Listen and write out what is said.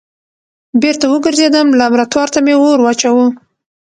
بېرته وګرځېدم لابراتوار ته مې اور واچوه.